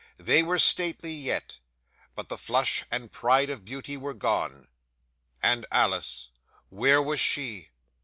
They were stately yet; but the flush and pride of beauty were gone. 'And Alice where was she?